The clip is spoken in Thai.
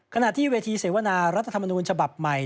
ขณะที่เวทีเสวนารัฐธรรมนูญฉบับใหม่